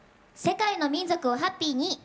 世界の民族をハッピーに！